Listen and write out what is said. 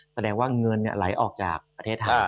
แสดงว่าเงินไหลออกจากประเทศไทย